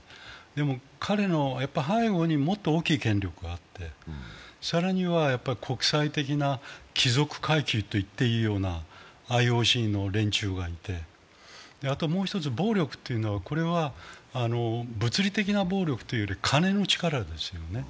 でも彼の背後にもっと大きい権力があって、更には国際的な貴族階級と言っていいようなＩＯＣの連中がいてもう一つ暴力というのは物理的な暴力というより金の力ですよね。